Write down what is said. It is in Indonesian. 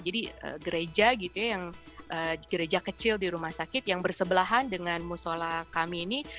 jadi gereja gitu ya yang gereja kecil di rumah sakit yang bersebelahan dengan musola kami ini